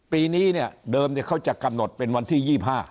ปีนี้เนี่ยเดิมเขาจะกำหนดเป็นวันที่๒๕